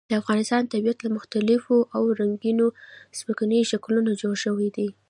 د افغانستان طبیعت له مختلفو او رنګینو ځمکنیو شکلونو جوړ شوی دی.